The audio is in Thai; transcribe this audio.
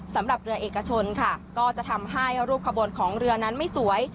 สำหรับเรือเอกชนค่ะก็จะทำให้รูปขบวนของเรือนั้นไม่สวย